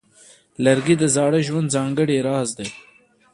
لرګی د زاړه ژوند ځانګړی راز دی.